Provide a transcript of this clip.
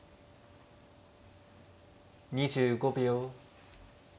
２５秒。